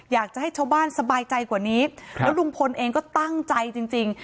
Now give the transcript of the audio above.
อยากจะให้ชาวบ้านสบายใจกว่านี้แล้วลุงพลเองก็ตั้งใจจริงจริง